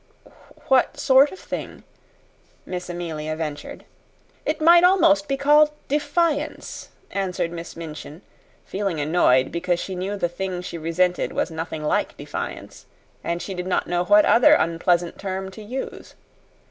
"What sort of thing?" Miss Amelia ventured. "It might almost be called defiance," answered Miss Minchin, feeling annoyed because she knew the thing she resented was nothing like defiance, and she did not know what other unpleasant term to use.